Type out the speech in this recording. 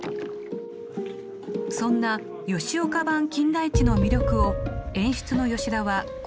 そんな吉岡版「金田一」の魅力を演出の吉田はこう分析します